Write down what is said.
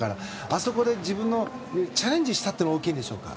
あそこで自分でチャレンジしたのが大きいんでしょうか？